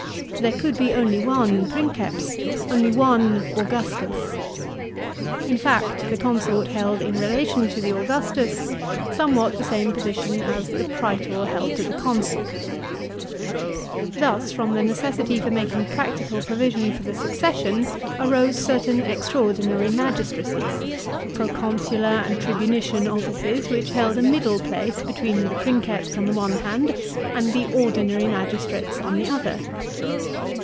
There could be only one Princeps, only one Augustus. In fact, the consort held, in relation to the Augustus, somewhat the same position as the prastor held to the consul. Thus from the necessity for making practical provision for the succession arose certain extraordinary magistracies, — proconsular and tribunician offices, which held a middle place between the Princeps on the one hand, and the ordinary magistrates on the other.